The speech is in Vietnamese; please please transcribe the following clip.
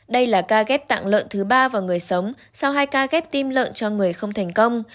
đây là ca ghép tạng lợn thứ ba vào người sống sau hai ca ghép tim lợn cho người không thành công